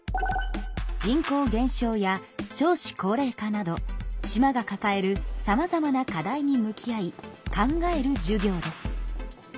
人口減少や少子高齢化など島がかかえるさまざまな課題に向き合い考える授業です。